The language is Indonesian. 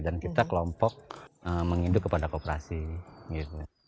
dan kita kelompok menginduk kepada kooperasi gitu